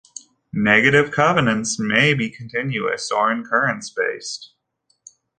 Negative covenants may be continuous or incurrence-based.